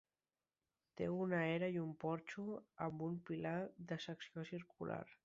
Té una era i un porxo amb un pilar de secció circular.